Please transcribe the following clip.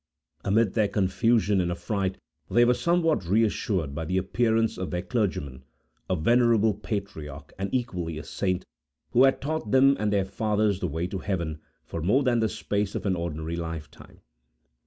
Amid their confusion and affright, they were somewhat reassured by the appearance of their clergyman, a venerable patriarch, and equally a saint, who had taught them and their fathers the way to heaven, for more than the space of an ordinary lifetime.